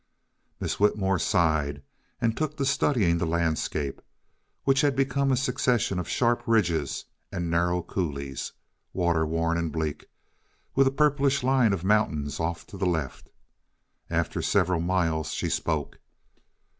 Miss Whitmore sighed and took to studying the landscape, which had become a succession of sharp ridges and narrow coulees, water worn and bleak, with a purplish line of mountains off to the left. After several miles she spoke.